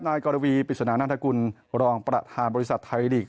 กรวีปริศนานันทกุลรองประธานบริษัทไทยลีก